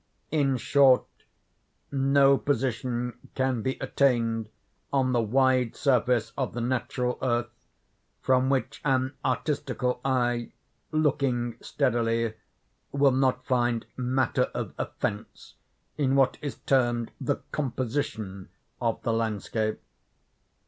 In short, no position can be attained on the wide surface of the natural earth, from which an artistical eye, looking steadily, will not find matter of offence in what is termed the "composition" of the landscape.